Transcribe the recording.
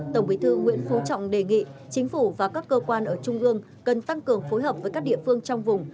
tổng bí thư nguyễn phú trọng đề nghị chính phủ và các cơ quan ở trung ương cần tăng cường phối hợp với các địa phương trong vùng